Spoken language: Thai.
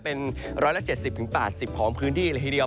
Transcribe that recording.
เป็น๑๗๐๘๐ของพื้นที่